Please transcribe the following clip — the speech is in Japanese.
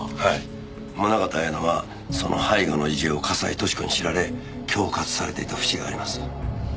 宗方綾乃はその背後の事情を笠井俊子に知られ恐喝されていた節があります。